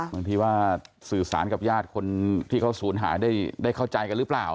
บางทีว่าสื่อสารกับญาติคนที่เขาศูนย์หายได้เข้าใจกันหรือเปล่า